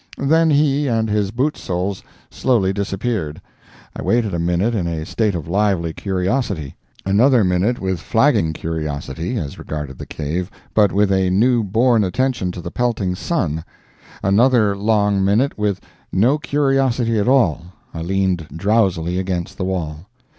Then he and his boot soles slowly disappeared. I waited a minute in a state of lively curiosity; another minute with flagging curiosity as regarded the cave, but with a new born attention to the pelting sun; another long minute with no curiosity at all—I leaned drowsily against the wall.